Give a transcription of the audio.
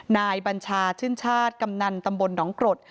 บัญชาชื่นชาติกำนันตำบลหนองกรด